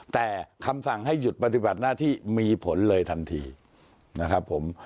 แต่คำสั่งให้หยุดปฏิบัติหน้าที่มีผลเลยทันทีนะครับผม